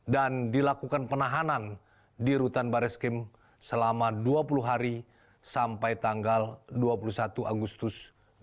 dan dilakukan penahanan di rutan baris krim selama dua puluh hari sampai tanggal dua puluh satu agustus dua ribu dua puluh tiga